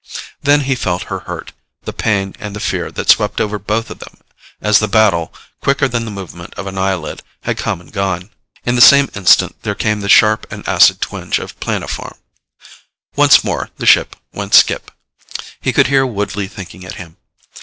Then he felt her hurt, the pain and the fear that swept over both of them as the battle, quicker than the movement of an eyelid, had come and gone. In the same instant, there came the sharp and acid twinge of planoform. Once more the ship went skip. He could hear Woodley thinking at him.